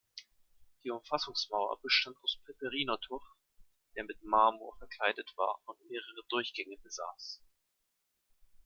Die Umfassungsmauer bestand aus Peperino-Tuff, der mit Marmor verkleidet war und mehrere Durchgänge besaß.